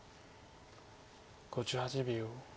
５８秒。